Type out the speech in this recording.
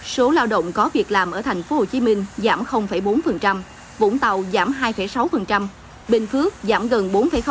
số lao động có việc làm ở thành phố hồ chí minh giảm bốn vũng tàu giảm hai sáu bình phước giảm gần bốn